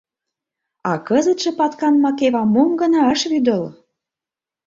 — А кызытше Паткан Макева мом гына ыш вӱдыл!